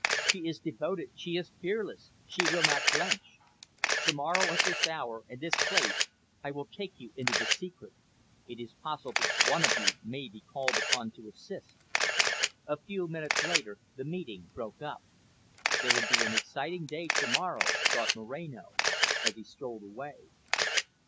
She is devoted, she is fearless, she will not blench. To morrow at this hour and this place I will take you into the secret; it is possible one of you may be called upon to assist." A few minutes later the meeting broke up. There would be an exciting day to morrow, thought Moreno, as he strolled away.